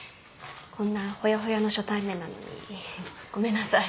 こんなほやほやの初対面なのにごめんなさい。